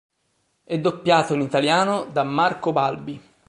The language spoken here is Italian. È doppiato in italiano da Marco Balbi.